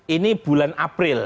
ini bulan april